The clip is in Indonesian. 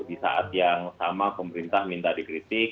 di saat yang sama pemerintah minta dikritik